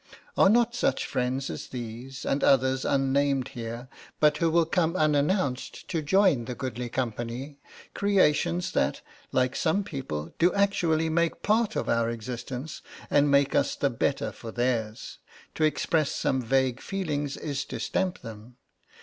Are not such friends as these, and others unnamed here, but who will come unannounced to join the goodly company, creations that, like some people, do actually make part of our existence, and make us the better for theirs? To express some vague feelings is to stamp them.